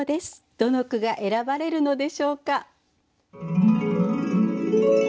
どの句が選ばれるのでしょうか。